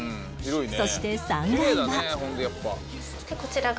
そして３階は